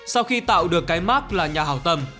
sau khi tạo được cái mark là nhà hảo tâm